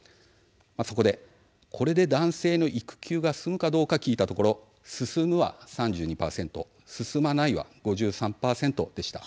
そこで、これで男性の育休が進むかどうか聞いたところ進むは３２％進まないは５３％でした。